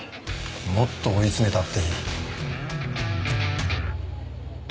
もっと追い詰めたっていい。